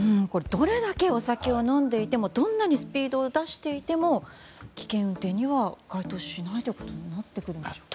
どれだけお酒を飲んでいてもどんなにスピードを出していても危険運転には該当しないということになってくるんでしょうか。